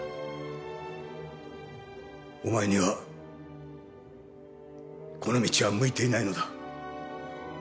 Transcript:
お前にはこの道は向いていないのだ。